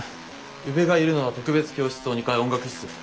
宇部がいるのは特別教室棟２階音楽室。